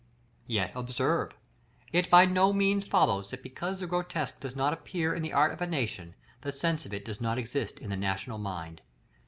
§ LXXIV. Yet, observe, it by no means follows that because the grotesque does not appear in the art of a nation, the sense of it does not exist in the national mind.